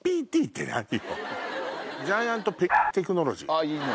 あっいいね！